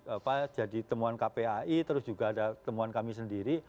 apa jadi temuan kpai terus juga ada temuan kami sendiri